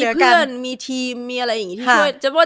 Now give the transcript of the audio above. เพราะจะมีเพื่อนมีทีมมีอะไรอย่างงี้ที่ช่วย